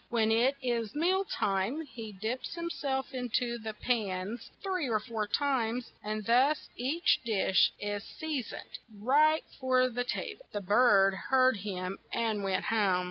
When it is meal time, he dips him self in to the pans three or four times, and thus each dish is sea soned right for the ta ble." The bird heard him, and went home.